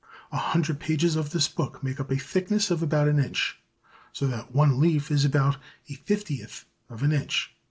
A hundred pages of this book make up a thickness of about an inch, so that one leaf is about a fiftieth of an inch.